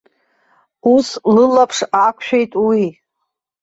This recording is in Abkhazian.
Ус лылаԥш ақәшәеит уи.